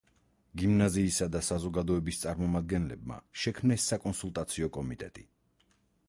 გიმნაზიისა და საზოგადოების წარმომადგენლებმა შექმნეს საკონსულტაციო კომიტეტი.